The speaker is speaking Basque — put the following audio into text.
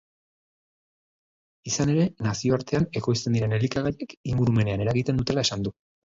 Izan ere, nazioartean ekoizten diren elikagaiek ingurumenean eragiten dutela esan du.